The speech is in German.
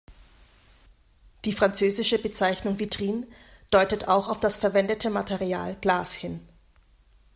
Die französische Bezeichnung "vitrine" deutet auch auf das verwendete Material Glas hin.